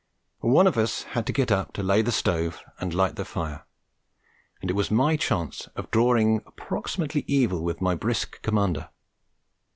One of us had to get up to lay the stove and light the fire, and it was my chance of drawing approximately even with my brisk commander.